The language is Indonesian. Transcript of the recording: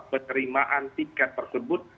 pekerimaan tiket tersebut